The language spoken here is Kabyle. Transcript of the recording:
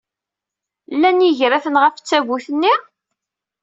Llan yigraten ɣef tdabut-nni?